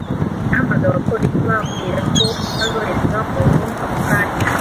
Nahamagaye abapolisi bambwira ko bazohereza umuntu ako kanya.